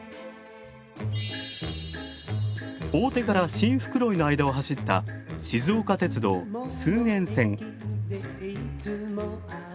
大手から新袋井の間を走った静岡鉄道駿遠線。